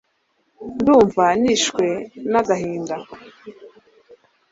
ndumva nishwe nagahinda